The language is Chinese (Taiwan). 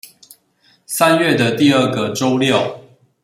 三月的第二個週六